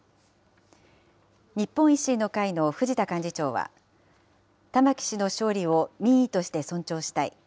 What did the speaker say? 日本維新の会の藤田幹事長は、玉城氏の勝利を民意として尊重したい。